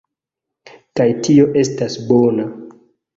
kaj tio estas bona.